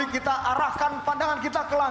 untuk mendatang etik etik